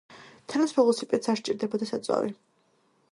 თანაც ველოსიპედს არ სჭირდებოდა საწვავი.